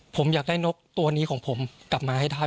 ผมอยากได้นกตัวนี้ของผมกลับมาให้ได้